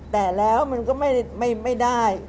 แต่แล้วมันก็ไม่ได้